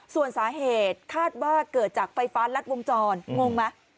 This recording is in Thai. ส่วนสาเหตุคาดว่าเกิดจากไฟฟ้ารัดวงจรงงไหม